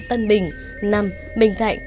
tân bình năm bình thạnh